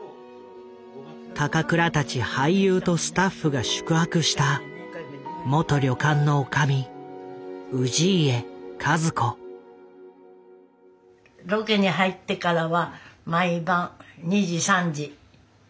高倉たち俳優とスタッフが宿泊したロケに入ってからは毎晩２時３時帰ってくるの。